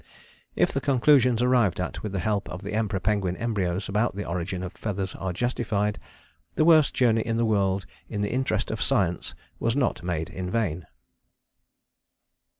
"If the conclusions arrived at with the help of the Emperor Penguin embryos about the origin of feathers are justified, the worst journey in the world in the interest of science was not made in vain."